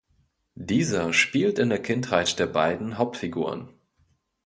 Dieser spielt in der Kindheit der beiden Hauptfiguren.